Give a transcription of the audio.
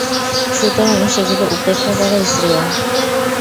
সুতরাং সেগুলো উপেক্ষা করাই শ্রেয়।